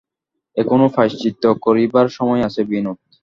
এখনো প্রায়শ্চিত্ত করিবার সময় আছে, বিনোদ।